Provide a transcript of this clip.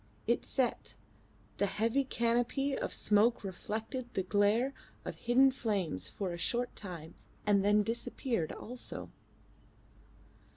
It set: the heavy canopy of smoke reflected the glare of hidden flames for a short time and then disappeared also.